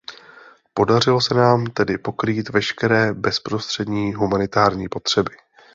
Podařilo se nám tedy pokrýt veškeré bezprostřední humanitární potřeby.